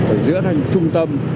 ở giữa thành trung tâm